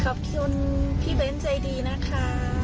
ขอบคุณพี่เบ้นใจดีนะคะ